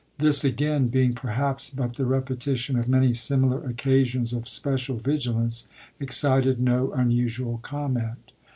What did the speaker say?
This again, being perhaps but the repetition of many similar occasions of special vigilance, ex cited no unusual comment.